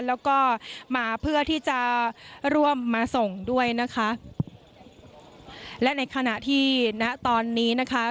แล้วก็มาเพื่อที่จะร่วมมาส่งด้วยนะคะและในขณะที่ณตอนนี้นะคะ